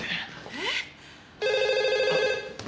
えっ？